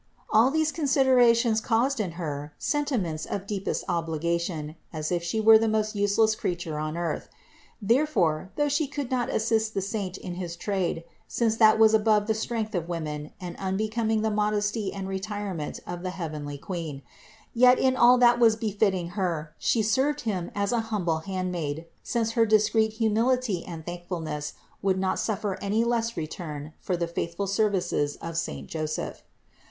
All these considerations caused in Her sentiments of deepest obligation, as if She were the most useless creature on earth. Therefore, though She could not assist the saint in his trade, since that was above the strength of women and unbecoming the modesty and retirement of the heavenly Queen; yet in all that was befitting Her She served Him as an humble handmaid, since her discreet humility and thankfulness would not suffer any less re turn for the faithful services of saint Joseph.